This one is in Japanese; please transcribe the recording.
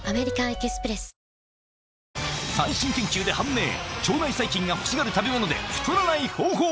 ペイトク腸内細菌が欲しがる食べ物で太らない方法